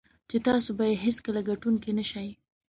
چې تاسو به یې هېڅکله ګټونکی نه شئ.